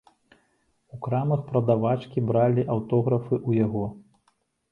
У крамах прадавачкі бралі аўтографы ў яго.